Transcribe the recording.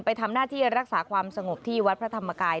ไปทำหน้าที่รักษาความสงบที่วัดพระธรรมกาย